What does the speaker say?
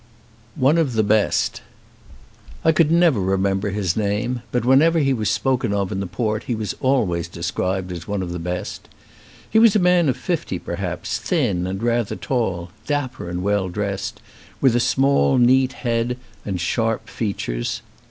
210 OI ONE OF THE BEST I COULD never remember his name, but when ever he was spoken of in the port he was always described as one of the best. He was a man of fifty perhaps, thin and rather tall, dapper and well dressed, with a small, neat head and sharp features.